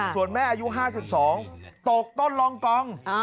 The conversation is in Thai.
ส่วนแม่อายุ๕๒ตกต้นรองกอง